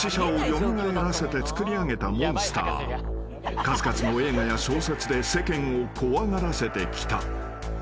［数々の映画や小説で世間を怖がらせてきた］